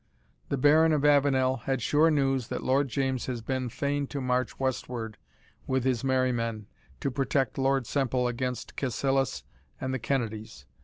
The Baron of Avenel had sure news that Lord James has been fain to march westward with his merry men, to protect Lord Semple against Cassilis and the Kennedies.